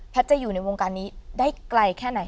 จะอยู่ในวงการนี้ได้ไกลแค่ไหน